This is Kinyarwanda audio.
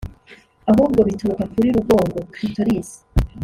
ahubwo bituruka kuri rugongo (Clitoris)